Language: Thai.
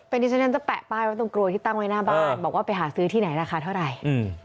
เป็นที่ฉันนั้นจะแปะป้ายไว้ตรงกรวยที่ตั้งไว้หน้าบ้านบอกว่าไปหาซื้อที่ไหนราคาเท่าไหร่